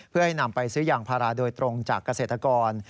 เพื่อให้นำไปซื้อยางพาราโดยตรงจากเกษตรกร